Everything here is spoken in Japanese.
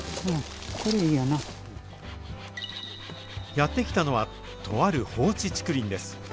やって来たのは、とある放置竹林です。